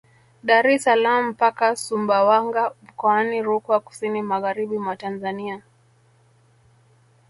Dar es salaam mpaka Sumbawanga mkoani Rukwa kusini magharibi mwa Tanzania